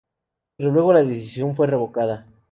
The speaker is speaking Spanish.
Pero luego la decisión fue revocada.